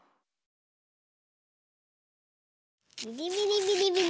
びりびりびりびり。